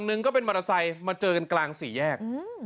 หนึ่งก็เป็นมอเตอร์ไซค์มาเจอกันกลางสี่แยก